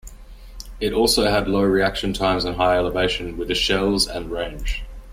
It also had low reaction times and high elevation, with a shells and range.